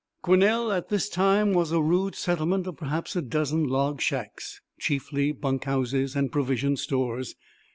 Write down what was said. Quesnel was at this time a rude settlement of perhaps a dozen log shacks chiefly bunkhouses and provision stores.